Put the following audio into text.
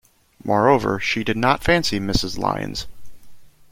Moreover, she did not fancy Mrs. Lyons.